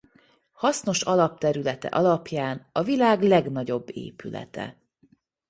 Hasznos alapterülete alapján a világ legnagyobb épülete.